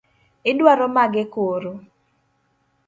Idwaro mage koro?